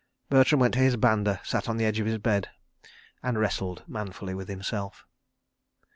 Bertram went to his banda, sat on the edge of his bed, and wrestled manfully with himself.